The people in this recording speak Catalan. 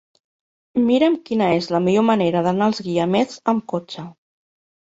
Mira'm quina és la millor manera d'anar als Guiamets amb cotxe.